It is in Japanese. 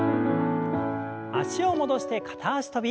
脚を戻して片脚跳び。